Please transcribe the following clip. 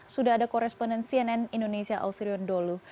sudah ada koresponden cnn indonesia auxerion dolo